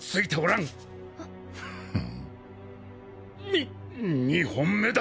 ２２本目だ。